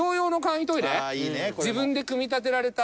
自分で組み立てられた。